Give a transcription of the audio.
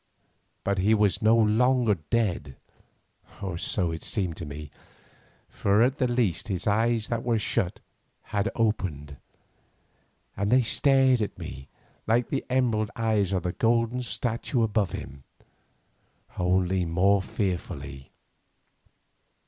But he was no longer dead, or so it seemed to me; at the least his eyes that were shut had opened, and they stared at me like the emerald eyes of the golden statue above him, only more fearfully.